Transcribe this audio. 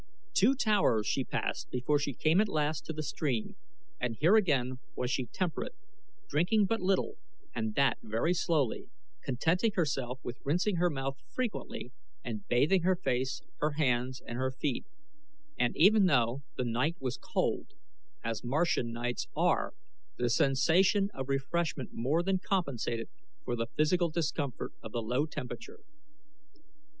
Two towers she passed before she came at last to the stream, and here again was she temperate, drinking but little and that very slowly, contenting herself with rinsing her mouth frequently and bathing her face, her hands, and her feet; and even though the night was cold, as Martian nights are, the sensation of refreshment more than compensated for the physical discomfort of the low temperature.